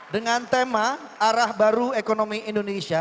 dengan tema arah baru ekonomi indonesia